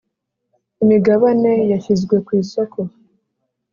imigabane yashyizwe ku isoko